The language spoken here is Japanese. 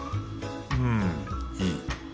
うんいい。